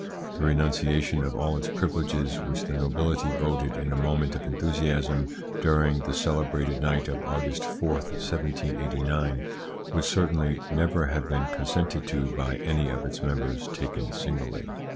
The renunciation of all its privileges which the nobility voted in a moment of enthusiasm during the celebrated night of August 4, 1789, would certainly never have been consented to by any of its members taken singly.